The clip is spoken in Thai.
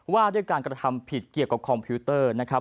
ว่าด้วยการกระทำผิดเกี่ยวกับคอมพิวเตอร์นะครับ